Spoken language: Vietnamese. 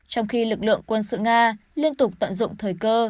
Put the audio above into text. trong khi lực lượng quân sự nga liên tục tận dụng thời cơ